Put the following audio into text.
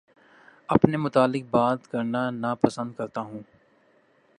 اپنے متعلق بات کرنا نا پسند کرتا ہوں